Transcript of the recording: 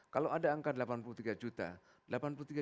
kalau ada angka delapan puluh tiga juta